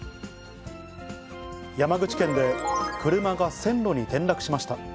山口県で、車が線路に転落しました。